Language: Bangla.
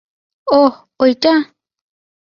ওহ, ঐটা?